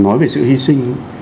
nói về sự hy sinh